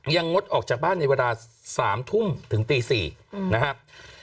งดออกจากบ้านในเวลา๓ทุ่มถึงตี๔นะครับ